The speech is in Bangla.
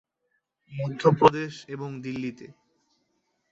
মধ্যপ্রদেশ এবং দিল্লিতে।